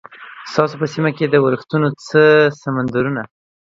ستاسو په سیمه کې د ورښتونو څه سمندرونه؟